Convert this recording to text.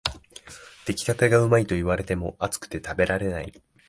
出来たてがうまいと言われても、熱くて食べられない